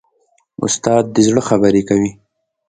استاد د زړه خبرې کوي.